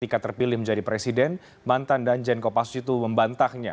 ketika terpilih menjadi presiden mantan danjen kopasitu membantahnya